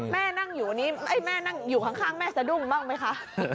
นั่งอยู่นี่แม่นั่งอยู่ข้างแม่สะดุ้งบ้างไหมคะ